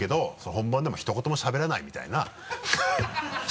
本番でもうひと言もしゃべらないみたいな